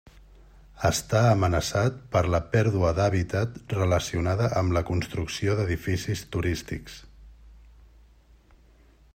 Està amenaçat per la pèrdua d'hàbitat relacionada amb la construcció d'edificis turístics.